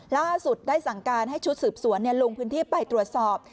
ล่าสุดได้สั่งการให้ชุดสืบสวนลงพื้นที่ไปตรวจสอบ